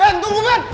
ben tunggu ben